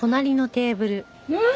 うん！